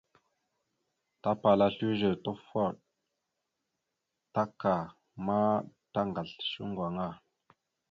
Tapala slʉze, tufoɗ, taka ma tagasl shʉŋgo aŋa.